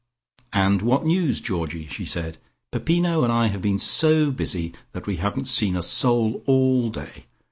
"And what news, Georgie?" she said. "Peppino and I have been so busy that we haven't seen a soul all day.